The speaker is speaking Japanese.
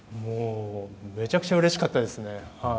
めちゃくちゃうれしかったですね。